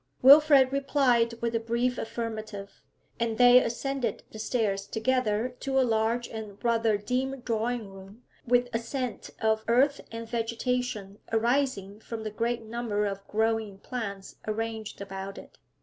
Wilfrid replied with a brief affirmative, and they ascended the stairs together to a large and rather dim drawing room, with a scent of earth and vegetation arising from the great number of growing plants arranged about it.